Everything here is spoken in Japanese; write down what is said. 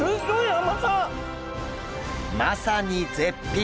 まさに絶品！